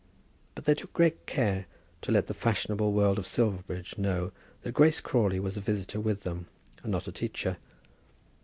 But they took great care to let the fashionable world of Silverbridge know that Grace Crawley was a visitor with them, and not a teacher.